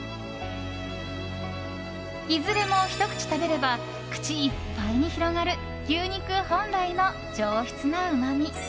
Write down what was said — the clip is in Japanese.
いずれも、ひと口食べれば口いっぱいに広がる牛肉本来の上質なうまみ。